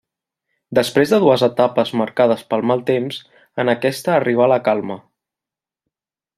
Després de dues etapes marcades pel mal temps en aquesta arribà la calma.